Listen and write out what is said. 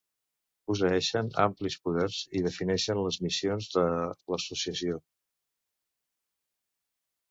Posseeixen amplis poders i defineixen les missions de l'associació.